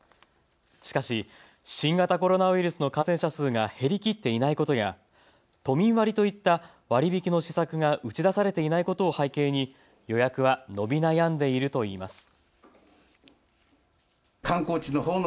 しかし新型コロナウイルスの感染者数が減りきっていないことや都民割といった割り引きの施策が打ち出されていないことを背景に予約は伸び悩んでいるといいます。